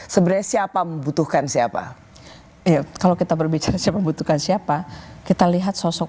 sebenarnya siapa membutuhkan siapa ya kalau kita berbicara siapa membutuhkan siapa kita lihat sosok